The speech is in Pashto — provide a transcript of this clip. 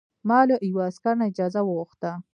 ما له یوه عسکر نه اجازه وغوښته.